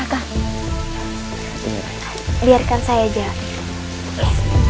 kami mencari kandidat